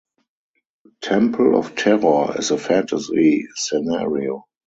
"Temple of Terror" is a fantasy scenario.